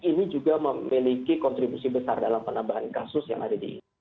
ini juga memiliki kontribusi besar dalam penambahan kasus yang ada di indonesia